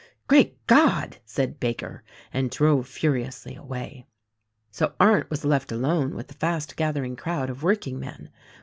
"Great God!" said Baker and drove furiously away. So Arndt was left alone with the fast gathering crowd of workingmen.